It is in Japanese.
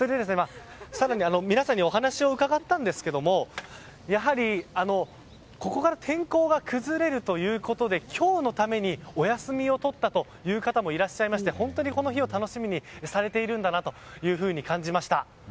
更に、皆さんにお話を伺ったんですがやはり、ここから天候が崩れるということで今日のためにお休みをとったという方もいらっしゃいまして本当に、この日を楽しみにされているんだなと感じました。